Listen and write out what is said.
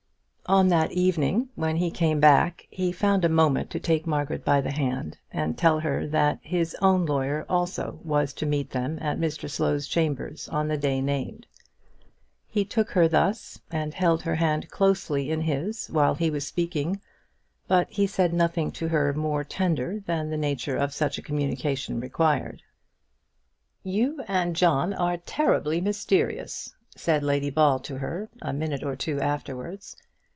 On that evening, when he came back, he found a moment to take Margaret by the hand and tell her that his own lawyer also was to meet them at Mr Slow's chambers on the day named. He took her thus, and held her hand closely in his while he was speaking, but he said nothing to her more tender than the nature of such a communication required. "You and John are terribly mysterious," said Lady Ball to her, a minute or two afterwards.